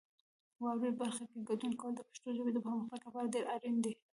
واورئ برخه کې ګډون کول د پښتو ژبې د پرمختګ لپاره ډېر اړین دی.